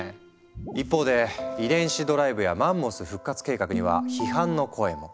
一方で遺伝子ドライブやマンモス復活計画には批判の声も。